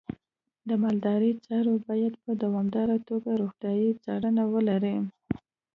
د مالدارۍ څاروی باید په دوامداره توګه روغتیايي څارنه ولري.